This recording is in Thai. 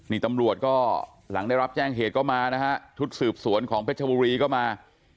นี่ตำรวจก็หลังได้รับแจ้งเหตุก็มานะฮะชุดสืบสวนของเพชรบุรีก็มา